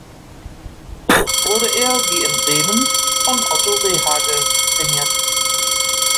Dort wurde er wie in Bremen von Otto Rehhagel trainiert.